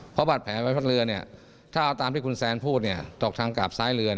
เพราะบาดแผลใบพัดเรือถ้าเอาตามที่คุณแซนพูดตกทางกราบซ้ายเรือ